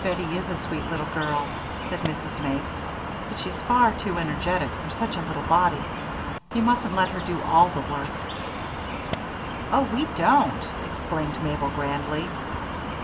"Bettie is a sweet little girl," said Mrs. Mapes, "but she's far too energetic for such a little body. You mustn't let her do all the work." "Oh, we don't!" exclaimed Mabel, grandly.